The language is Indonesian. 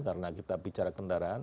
karena kita bicara kendaraan